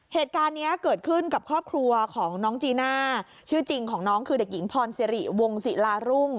เหตุการณ์นี้เกิดขึ้นกับครอบครัวของน้องจีน่าชื่อจริงของน้องคือเด็กหญิงพรสิริวงศิลารุ่ง